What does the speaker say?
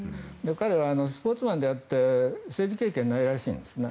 彼はスポーツマンであって政治経験はないらしいんですね。